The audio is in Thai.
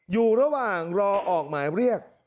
อยู่ระหว่างรอออกหมายเรียก